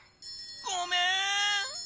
ごめん！